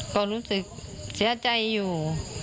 ก็รู้สึกเสียใจอยู่